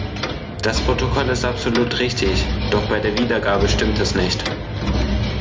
Das Protokoll ist absolut richtig, doch bei der Wiedergabe stimmt es nicht.